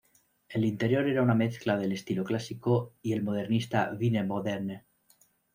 El interior era una mezcla del estilo clásico y el modernista "Wiener Moderne".